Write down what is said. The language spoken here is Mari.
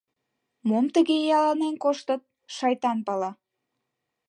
Мом тыге ияланен коштыт — шайтан пала...